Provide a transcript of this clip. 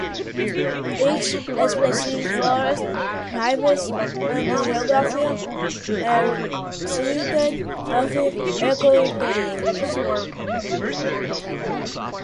Its extensive forests, rivers and geography are suited for ecotourism.